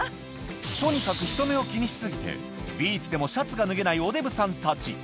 とにかく人目を気にし過ぎて、ビーチでもシャツが脱げないおデブさんたち。